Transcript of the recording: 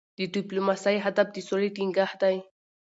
د ډيپلوماسی هدف د سولې ټینګښت دی.